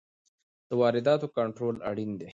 د وارداتو کنټرول اړین دی.